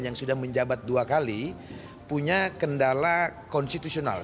yang sudah menjabat dua kali punya kendala konstitusional